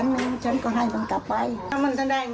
แล้วฉันจะไปเป็นหนี้ทำไม